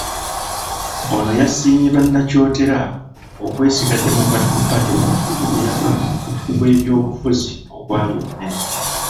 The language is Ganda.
Ono yasiimye bannakyotera okwesiga Democratic Party wakati mu muyaga gw’ebyobufuzi ogwali omunene.